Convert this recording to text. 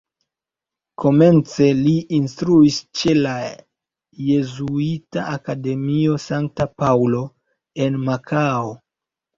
Komence li instruis ĉe la Jezuita Akademio Sankta Paŭlo en Makao.